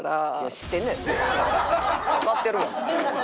わかってるわ。